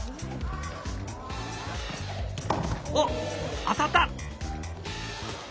おっ当たった！